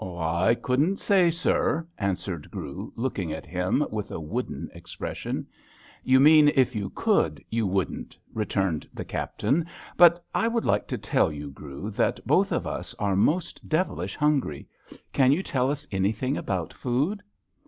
"I couldn't say, sir," answered Grew, looking at him with a wooden expression. "You mean if you could, you wouldn't," returned the Captain. "But I would like to tell you, Grew, that both of us are most devilish hungry. Can you tell us anything about food?"